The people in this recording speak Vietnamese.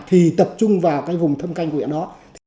thì tập trung vào cái vùng thâm canh của huyện đó